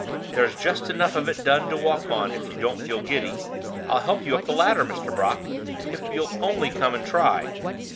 "There's just enough of it done to walk on, if you don't feel giddy. I'll help you up the ladder, Mr. Brock, if you'll only come and try."